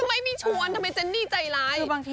ไม่เจอคริสในงาน